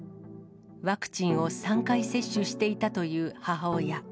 ワクチンを３回接種していたという母親。